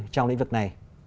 trong lĩnh vực này